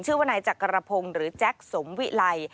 ชื่อว่านายจักรพงศ์หรือแจ็คสมวิไล